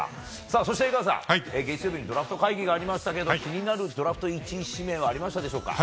そして、江川さん月曜日にドラフト会議がありましたけど気になるドラフト１位指名はありましたでしょうか。